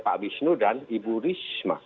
pak wisnu dan ibu risma